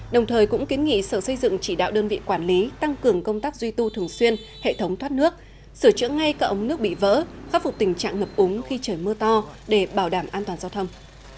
đồng thời cũng kiến nghị sở xây dựng chỉ đạo đơn vị quản lý tăng cường công tác duy tu thường xuyên hệ thống thoát nước sửa chữa ngay cậu ống nước bị vỡ khắc phục tình trạng ngập úng khi trời mưa to để bảo đảm an toàn giao thông